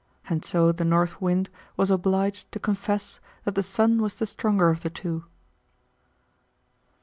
And so the North Wind was obliged to confess that the Sun was the stronger of the two.